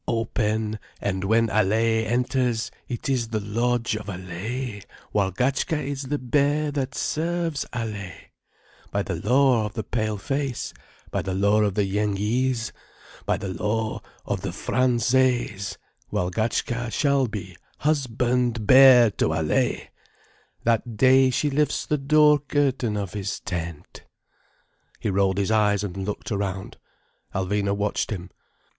"Open, and when Allaye enters, it is the lodge of Allaye, Walgatchka is the bear that serves Allaye. By the law of the Pale Face, by the law of the Yenghees, by the law of the Fransayes, Walgatchka shall be husband bear to Allaye, that day she lifts the door curtain of his tent—" He rolled his eyes and looked around. Alvina watched him.